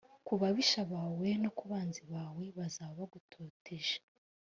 ku babisha bawe no ku banzi bawe bazaba bagutoteje.